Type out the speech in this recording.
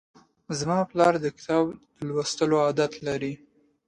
زما پلار د کتاب د لوستلو عادت لري.